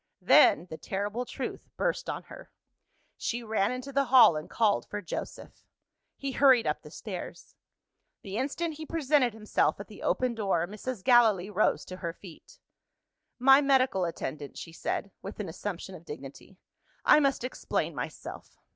Then, the terrible truth burst on her. She ran into the hall, and called for Joseph. He hurried up the stairs. The instant he presented himself at the open door, Mrs. Gallilee rose to her feet. "My medical attendant," she said, with an assumption of dignity; "I must explain myself."